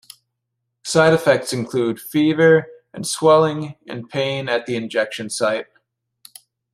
Side effects include fever and swelling and pain at the injection site.